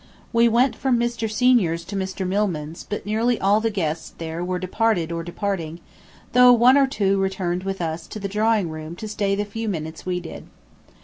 We went from Mr. Senior's to Mr. Milman's, but nearly all the guests there were departed or departing, though one or two returned with us to the drawing room to stay the few minutes we did.